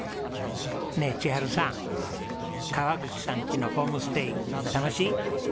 ねえ千温さん川口さんちのホームステイ楽しい？